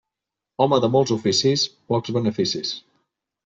Home de molts oficis, pocs beneficis.